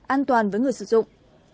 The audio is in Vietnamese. an toàn với người sử dụng